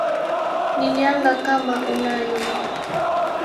Nilyanga kama unayo